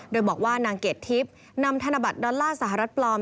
โดยบอกว่านางเกดทิพย์นำธนบัตรดอลลาร์สหรัฐปลอม